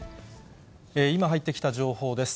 今入ってきた情報です。